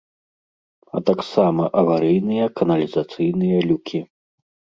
А таксама аварыйныя каналізацыйныя люкі.